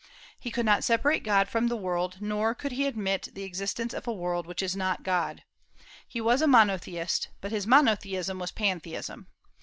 He could not separate God from the world, nor could he admit the existence of world which is not God. He was a monotheist, but his monotheism was pantheism.